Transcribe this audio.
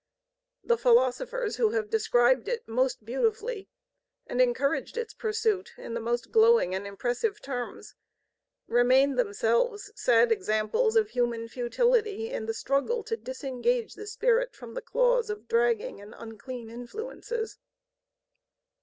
The philosophers who have described it most beautifully and encouraged its pursuit in the most glowing and impressive terms remain themselves sad examples of human futility in the struggle to disengage the spirit from the claws of dragging and unclean influences.